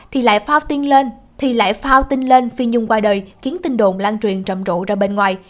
thì lại phao tin lên phi nhung qua đời khiến tin đồn lan truyền trầm rộ ra bên ngoài